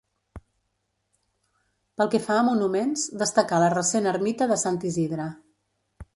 Pel que fa a monuments destacar la recent ermita de Sant Isidre.